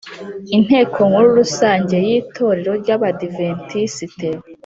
inteko nkuru rusange yitorero ryabadiventisite